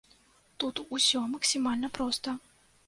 Тут усё максімальна проста.